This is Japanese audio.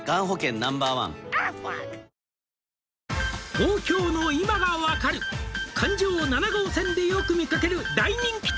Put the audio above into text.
「東京の今が分かる環状７号線でよく見かける大人気店」